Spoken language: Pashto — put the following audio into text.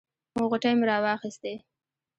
غوټې مې راواخیستې.